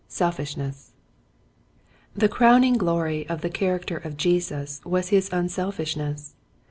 Selfishness, The crowning glory of the character of Jesus was his unselfishness.